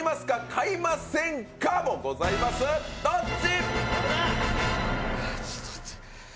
買いませんかもございます、どっち？